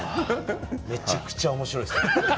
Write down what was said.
めちゃくちゃおもしろいです。